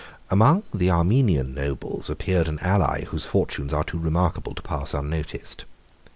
Among the Armenian nobles appeared an ally, whose fortunes are too remarkable to pass unnoticed.